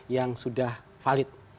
yang sudah valid